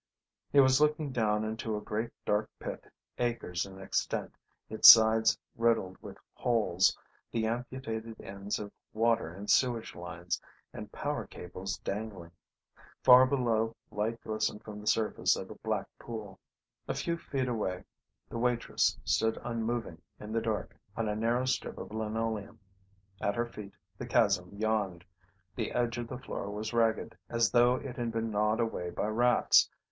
He was looking down into a great dark pit, acres in extent, its sides riddled with holes, the amputated ends of water and sewage lines and power cables dangling. Far below light glistened from the surface of a black pool. A few feet away the waitress stood unmoving in the dark on a narrow strip of linoleum. At her feet the chasm yawned. The edge of the floor was ragged, as though it had been gnawed away by rats.